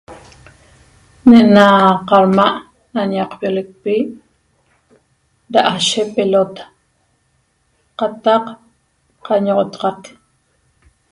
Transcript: Ne'ena qadma' na ñaqpiolecpi da'ashe pelota qataq qañoxotaxac